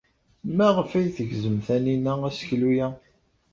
Maɣef ay tegzem Taninna aseklu-a?